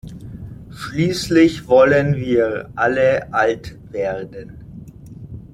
Schließlich wollen wir alle alt werden.